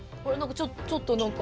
ちょっと何か。